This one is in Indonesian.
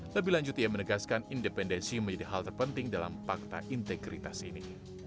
lebih lanjut ia menegaskan independensi menjadi hal terpenting dalam fakta integritas ini